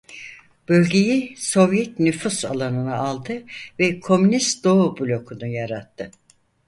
Bölgeyi Sovyet nüfuz alanına aldı ve komünist Doğu Bloku'nu yarattı.